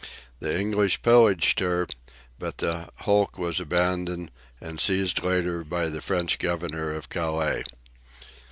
The English pillaged her, but the hulk was abandoned and seized later by the French Governor of Calais.